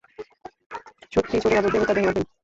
সত্যি ছোটবাবু, দেবতা দেহ রাখবেন?